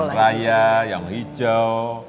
kebun raya yang hijau